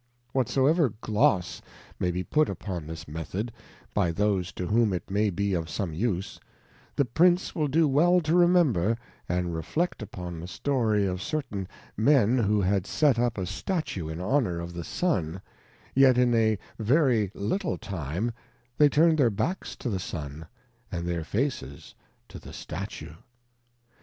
Whatsoever Gloss may be put upon this method, by those to whom it may be of some use, the Prince will do well to remember, and reflect upon the Story of certain Men who had set up a Statue in Honour of the Sun, yet in a very little time they turned their backs to the Sun, and their Faces to the Statue.